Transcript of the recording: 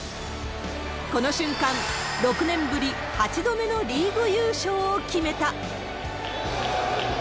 この瞬間、６年ぶり８度目のリーグ優勝を決めた。